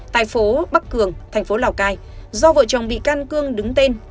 tại phố bắc cường tp lào cai do vợ chồng bị can cương đứng tên